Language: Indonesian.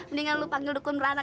udah makan mak gimana